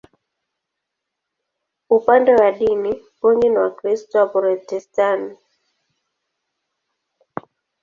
Upande wa dini, wengi ni Wakristo Waprotestanti.